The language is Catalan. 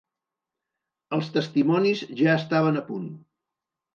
Els testimonis ja estaven a punt